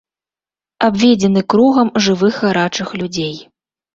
Абведзены кругам жывых гарачых людзей.